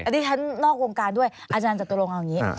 อันนี้ฉันนอกวงการด้วยอาจารย์จตุรงค์เอาอย่างนี้